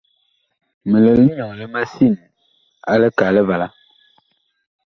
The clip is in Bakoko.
Mi lɛ linyɔŋ li masin a likɛ a Livala.